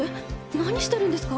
何してるんですか？